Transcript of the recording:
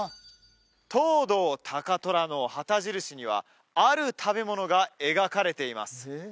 藤堂高虎の旗印にはある食べ物が描かれています